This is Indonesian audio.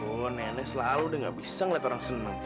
oh nenek selalu deh nggak bisa ngeliat orang senang